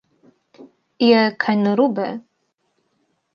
Je kaj narobe?